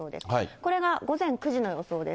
これが午前９時の予想です。